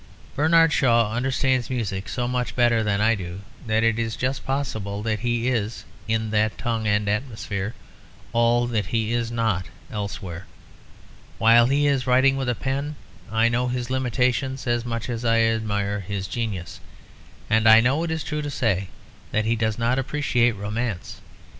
Bernard Shaw understands music so much better than I do that it is just possible that he is, in that tongue and atmosphere, all that he is not elsewhere. While he is writing with a pen I know his limitations as much as I admire his genius; and I know it is true to say that he does not appreciate romance.